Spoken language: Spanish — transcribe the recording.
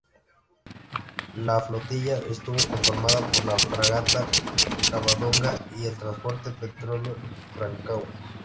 La flotilla estuvo conformada por la fragata Covadonga y el transporte petrolero Rancagua.